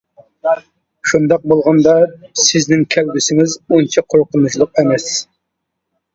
شۇنداق بولغاندا سىزنىڭ كەلگۈسىڭىز ئۇنچە قورقۇنچلۇق ئەمەس.